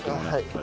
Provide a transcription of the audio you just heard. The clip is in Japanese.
はい。